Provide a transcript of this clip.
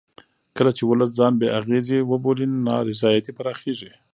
کله چې ولس ځان بې اغېزې وبولي نا رضایتي پراخېږي